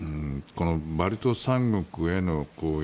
バルト三国への攻撃